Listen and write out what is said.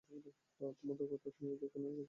তোমার দুর্বলতা তুমি কেন খেতে গিয়েছ, বোকাচু?